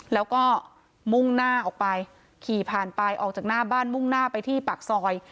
แล้วก็มุ่งหน้าออกไปขี่ผ่านไปออกจากหน้าบ้านมุ่งหน้าไปที่ปากซอย